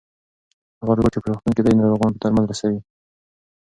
هغه روبوټ چې په روغتون کې دی ناروغانو ته درمل رسوي.